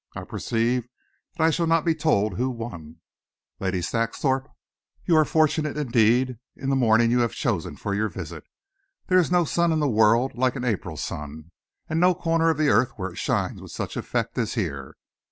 I perceive that I shall not be told who won. Lady Saxthorpe, you are fortunate indeed in the morning you have chosen for your visit. There is no sun in the world like an April sun, and no corner of the earth where it shines with such effect as here.